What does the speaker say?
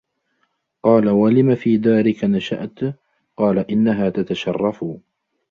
قَالَ وَلِمَ وَفِي دَارِك نَشَأَتْ ؟ قَالَ إنَّهَا تَتَشَرَّفُ